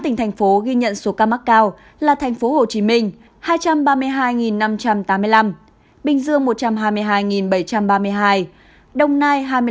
năm tỉnh thành phố ghi nhận số ca mắc cao là thành phố hồ chí minh hai trăm ba mươi hai năm trăm tám mươi năm bình dương một trăm hai mươi hai bảy trăm ba mươi hai đồng nai hai mươi năm ba trăm hai mươi tám